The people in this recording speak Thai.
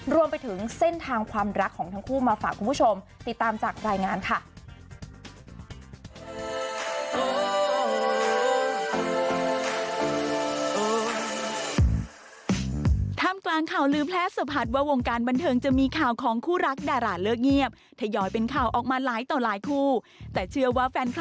รวมไปถึงเส้นทางความรักของทั้งคู่มาฝากคุณผู้ชม